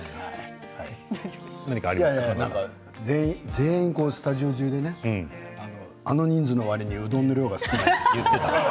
全員スタジオ中でねあの人数のわりにはうどんの量が少ないと言っていました。